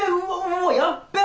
もうやっべ！